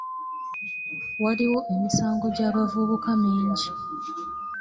Waliwo emisango gy'abavubuka mingi.